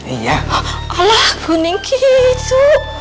iya allah kuning gitu